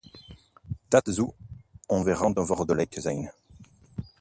Dat zou onverantwoordelijk zijn.